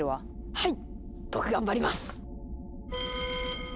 はい！